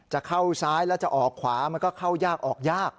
จะเข้าซ้ายแล้วจะออกขวามันก็เข้ายากออกยาก